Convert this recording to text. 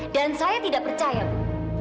dan saya tidak percaya ibu